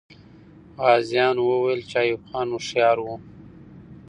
غازیان وویل چې ایوب خان هوښیار وو.